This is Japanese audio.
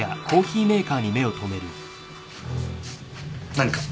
何か？